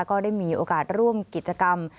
ก็ได้มีโอกาสร่วมกิจกรรม